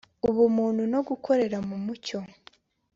ubumuntu no gukorera mu mucyo